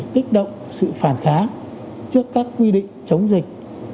kích động sự phản kháng trước các quy định chống dịch